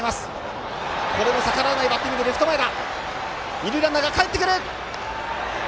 二塁ランナーがかえってくる！